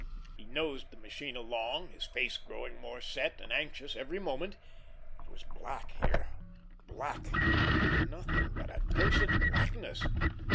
He nosed the machine along, his face growing more set and anxious every moment. It was black here—black—nothing but a cursed blackness.